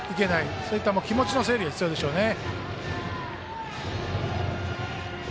そういった気持ちの整理が必要でしょうね。